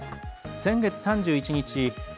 先月３１日